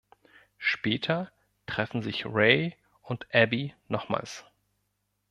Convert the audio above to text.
Später treffen sich Ray und Abby nochmals.